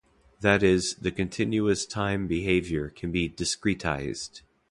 That is, the continuous-time behavior can be discretized.